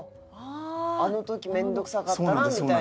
あの時面倒くさかったなみたいなので。